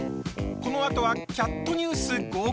こんにちは「キャットニュース５５」